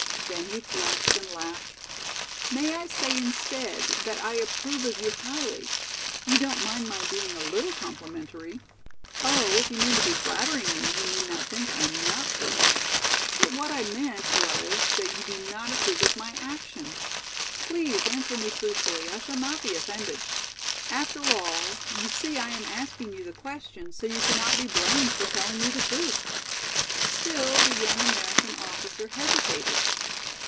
Then he flushed and laughed. "May I say instead that I approve of you highly. You don't mind my being a little complimentary?" "Oh, if you mean to be flattering me, you need not think I am not pleased. But what I meant was that you do not approve of my action. Please answer me truthfully. I shall not be offended. After all, you see I am asking you the question, so you cannot be blamed for telling me the truth." Still the young American officer hesitated.